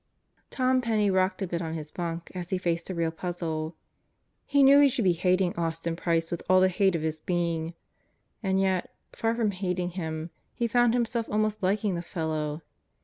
Tom Penney rocked a bit on his bunk as he faced a real puzzle. He knew he should be hating Austin Price with all the hate of his being; and yet, far from hating him he found himself almost liking the fellow.